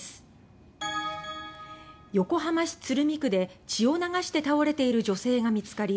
横浜市鶴見区で血を流して倒れている女性が見つかり